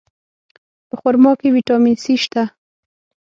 په خرما کې ویټامین C شته.